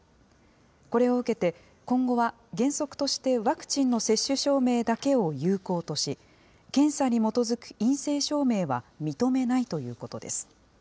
これを受けて、今後は原則としてワクチンの接種証明だけを有効とし、検査に基づく陰性証明は認めないということです。